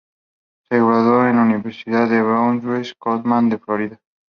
Él se graduó en la Universidad de Bethune-Cookman de Florida.